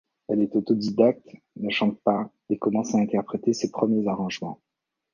Elle est autodidacte, ne chante pas et commence à interpréter ses premiers arrangements.